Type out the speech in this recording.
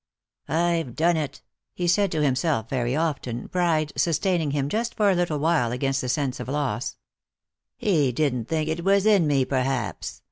" I've done it," he said to himself very often, pride sustaining him just for a little while against the sense of loss. " He didn't think it was in me, perhaps.